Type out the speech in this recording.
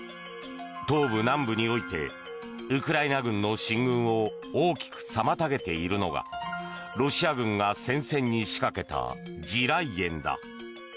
東部、南部においてウクライナ軍の進軍を大きく妨げているのがロシア軍が戦線に仕掛けた地雷原だ。